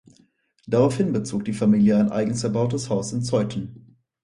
Daraufhin bezog die Familie ein eigens erbautes Haus in Zeuthen.